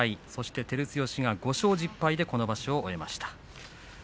照強は５勝１０敗でこの場所を終えました。